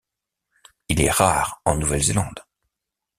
Il est rare en Nouvelle-Zélande.